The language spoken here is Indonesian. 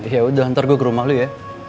ya udah ntar gua ke rumah lu ya